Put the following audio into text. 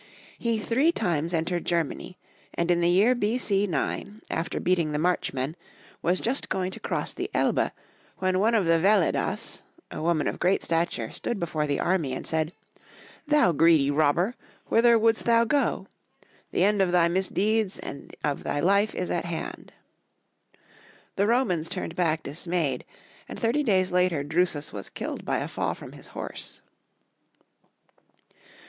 He three times en tered Germany, and in the year B.C. 9, after beating the Marchmen, was just going to cross the Elbe, when one of the Velledas, a woman of great stature, stood before the army and said, " Thou greedy rob ber I whither wouldst thou go? The end of thy misdeeds and of thy life is at hand." The Romans turned back dismayed ; and thirty days later Drusus was killed by a fall from his horse.